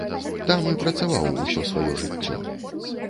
Там і працаваў усё сваё жыццё.